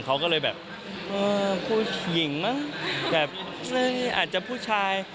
เขาก็เลยแบบเออผู้หญิงมั้งแบบซึ่งอาจจะผู้ชาย